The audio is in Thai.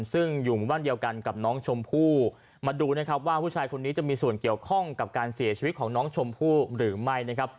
ซึ่งอยู่บ้านเดียวกันกับน้องชมพู่มาดูนะครับว่าผู้ชายคนนี้จะมีส่วนเกี่ยวข้องกับการเสียชีวิตของน้องชมพู่หรือไม่นะครับ